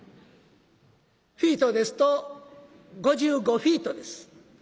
フィートですと５５フィートです。